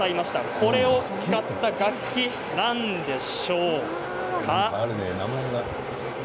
これを使った楽器何でしょう？